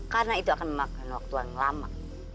karena itu akan memakan waktu yang lama